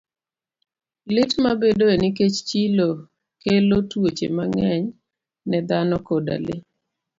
Lit ma bedoe nikech chilo kelo tuoche mang'eny ne dhano koda le.